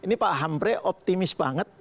ini pak hamre optimis banget